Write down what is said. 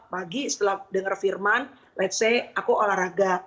pagi setelah denger firman let's say aku olahraga